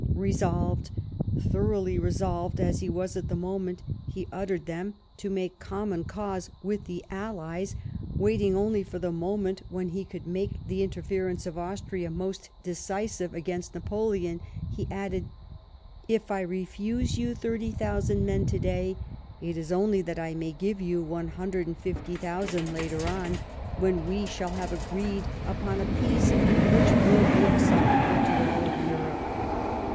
Resolved, thoroughly resolved, as he was at the moment he uttered them, to make common cause with the allies ; waiting only for the time when he could make the interference of Austria most decisive agfainst Napoleon ; he added, " if I refuse you 30,000 men to day, it is only that I may give you 150,000 later on, when we shall have agreed upon a peace which will be acce])table to all Europe."